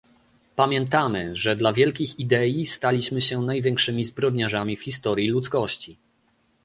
Pamiętamy, że dla wielkich idei staliśmy się największymi zbrodniarzami w historii ludzkości